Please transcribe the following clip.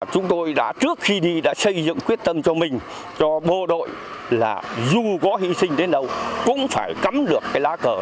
chúng tôi đã trước khi đi đã xây dựng quyết tâm cho mình cho bộ đội là dù có hy sinh đến đâu cũng phải cắm được cái lá cờ